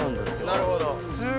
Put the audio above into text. なるほど。